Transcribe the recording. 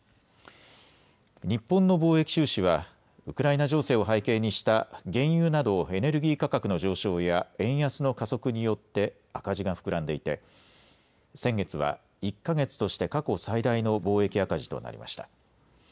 日本の貿易収支はウクライナ情勢を背景にした原油などエネルギー価格の上昇や円安の加速によって赤字が膨らんでいて先月は１か月として過去最大の貿易赤字となりました。